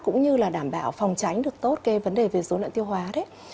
cũng như là đảm bảo phòng tránh được tốt cái vấn đề về dối loạn tiêu hóa đấy